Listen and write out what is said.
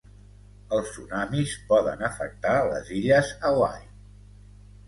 Els tsunamis poden afectar les illes Hawaii.